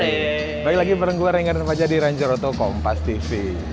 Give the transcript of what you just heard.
kembali lagi bersama saya rengga dan fadjah di ranjiroto kompas tv